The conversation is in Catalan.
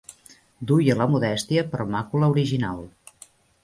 Duia la modèstia per màcula original.